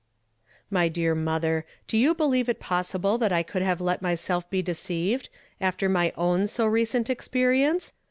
"My dear mother, do you believe it possible that I could have let myself, be deceived, after my own so recent experience?